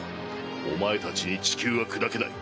お前たちに地球は砕けない。